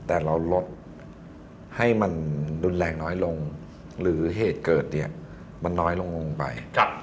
แต่เราลดให้มันรุนแรงน้อยลงหรือเหตุเกิดเนี่ยมันน้อยลงไป